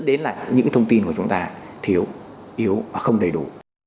đến là những thông tin của chúng ta thiếu yếu và không đầy đủ